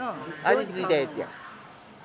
味付いたやつや。